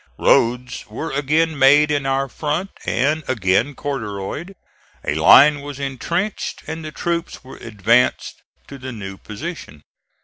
Roads were again made in our front, and again corduroyed; a line was intrenched, and the troops were advanced to the new position.